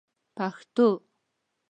پښتو